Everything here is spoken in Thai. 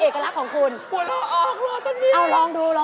เอากลับไปด้วย